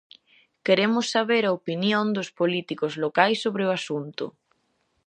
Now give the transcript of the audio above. Queremos saber a opinión dos políticos locais sobre o asunto.